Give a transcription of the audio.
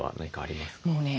もうね